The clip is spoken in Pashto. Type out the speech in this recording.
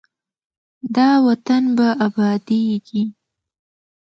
دا وطن به ابادیږي.